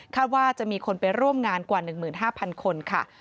ว่าจะมีคนไปร่วมงานกว่า๑๕๐๐คนค่ะ